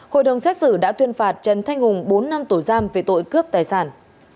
hội đồng xét xử đã tuyên phạt trần thanh hùng bốn năm tù giam về tội cướp tài sản